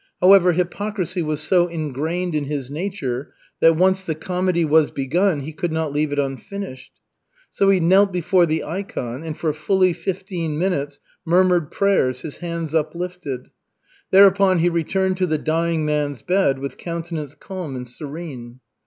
However, hypocrisy was so ingrained in his nature that once the comedy was begun, he could not leave it unfinished. So he knelt before the ikon and for fully fifteen minutes murmured prayers, his hands uplifted. Thereupon he returned to the dying man's bed with countenance calm and serene.